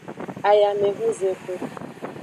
Ayamehunzexu.